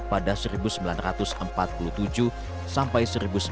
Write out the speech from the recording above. pada seribu sembilan ratus empat puluh tujuh sampai seribu sembilan ratus sembilan puluh